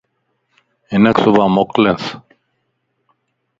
ھنک صبان موڪلينس